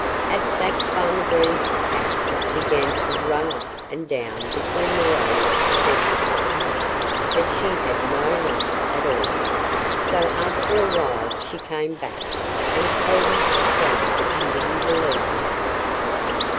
At that Farmer Green's cat began to run up and down between the rows of vegetables. But she had no luck at all. So after a while she came back and told Mr. Crow that she didn't believe him.